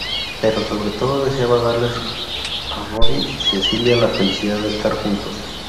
Pero sobre todo, deseaba darles a Robbie y Cecilia la felicidad de estar juntos.